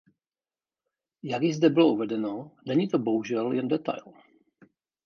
Jak již zde bylo uvedeno, není to bohužel jen detail.